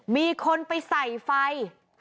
มีคนไปใส่ไฟ